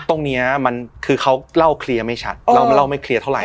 ตรงนี้มันคือเขาเล่าเคลียร์ไม่ชัดเล่าไม่เล่าไม่เคลียร์เท่าไห